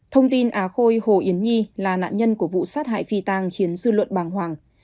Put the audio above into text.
thông tin á khôi hồ yến nhi là nạn nhân của vụ sát hại phi tàng khiến dư luận bàng hoàng